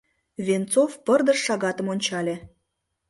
— Венцов пырдыж шагатым ончале.